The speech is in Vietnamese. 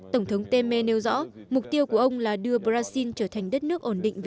tổng thống temer nêu rõ mục tiêu của ông là đưa brazil trở thành đất nước ổn định về